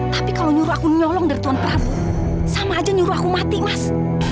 tapi kalau nyuruh aku nyolong dari tuan prabu sama aja nyuruh aku mati mas